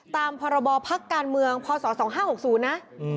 ตามพรบพักการเมืองพศ๒๕๖๐นะ